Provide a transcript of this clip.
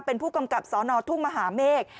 เป็นผู้กำกับสนทุ่งมหาเมฆ